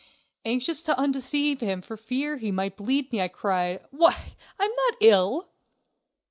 Anxious to undeceive him for fear he might bleed me, I cried: "Why, I'm not ill!"